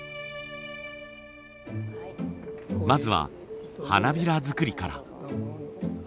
まずは花びら作りから。